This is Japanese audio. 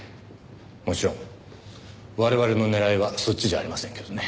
もちろん我々の狙いはそっちじゃありませんけどね。